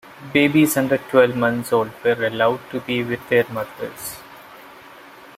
Babies under twelve months old were allowed to be with their mothers.